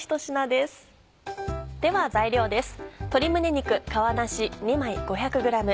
では材料です。